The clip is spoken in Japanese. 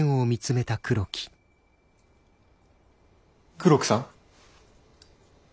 黒木さん？